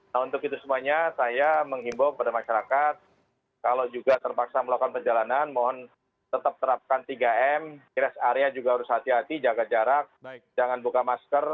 nah untuk itu semuanya saya menghimbau kepada masyarakat kalau juga terpaksa melakukan perjalanan mohon tetap terapkan tiga m di rest area juga harus hati hati jaga jarak jangan buka masker